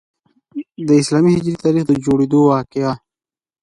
د اسلامي هجري تاریخ د جوړیدو واقعه.